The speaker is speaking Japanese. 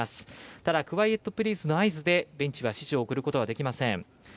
ただクワイエットプリーズの合図でベンチは指示を送ることができません。